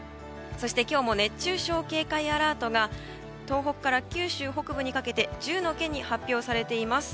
今日も熱中症警戒アラートが東北から九州北部にかけて１０の県に発表されています。